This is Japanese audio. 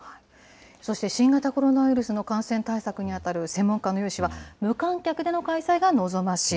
そして新型コロナウイルスの感染対策に当たる専門家の有志は、無観客での開催が望ましい。